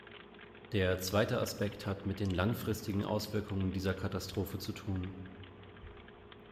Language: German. Der zweite Aspekt hat mit den langfristigen Auswirkungen dieser Katastrophe zu tun.